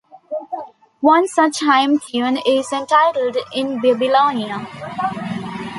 One such hymn tune is entitled "In Babilone".